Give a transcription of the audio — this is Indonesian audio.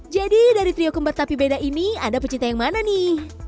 jadi dari trio kembar tapi beda ini ada pecinta yang mana nih